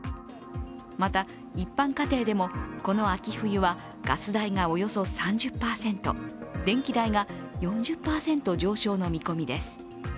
また、一般家庭でもこの秋冬はガス代がおよそ３０％、電気代が４０％上昇の見込みです。